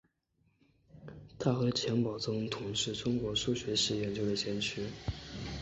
他和钱宝琮同是中国数学史研究的先驱。